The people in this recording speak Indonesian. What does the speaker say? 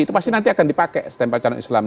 itu pasti nanti akan dipakai stempel calon islam